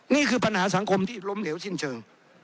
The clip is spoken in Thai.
นี่คือปัญหาสังคมที่ล้มเหลวสิ้นเชิง